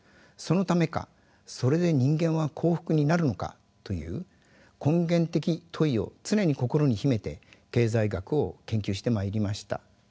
そのためかそれで人間は幸福になるのかという根源的問いを常に心に秘めて経済学を研究してまいりました。